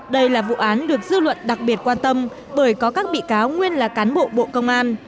đây là vụ án được dư luận đặc biệt quan tâm bởi có các bị cáo nguyên là cán bộ bộ công an